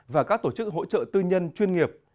và các tổ chức hỗ trợ tư nhân chuyên nghiệp